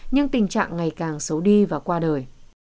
nhưng tình trạng ngày càng xấu đi và qua đời